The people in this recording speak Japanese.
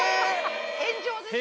返上です